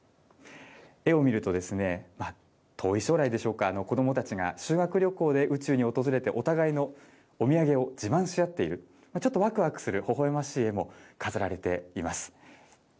絵を見ると、遠い将来でしょうか、子どもたちが修学旅行で宇宙に訪れて、お互いのお土産を自慢し合っている、ちょっとわくわくするほほえましい絵も飾られています。